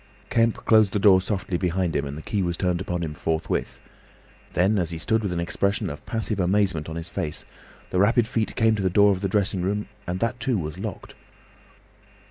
Kemp closed the door softly behind him, and the key was turned upon him forthwith. Then, as he stood with an expression of passive amazement on his face, the rapid feet came to the door of the dressing room and that too was locked.